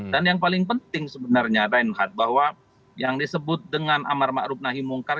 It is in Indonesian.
dan yang paling penting sebenarnya reinhardt bahwa yang disebut dengan amar ma'ruf nahi mungkar